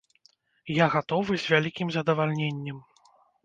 Я гатовы з вялікім задавальненнем.